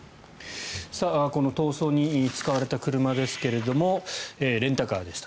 この逃走に使われた車ですがレンタカーでした。